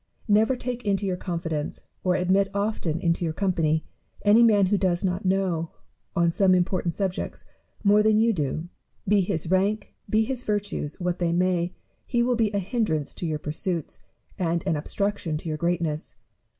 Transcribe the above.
Never take into your confidence, or admit often into your company, any man who does not know, on some important subject, more than you do. Be his rank, be his virtues, what they may, he will be a hindrance to your pursuits, and an obstruction to your greatness.